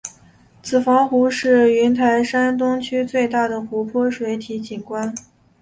子房湖是云台山东区最大的湖泊水体景观。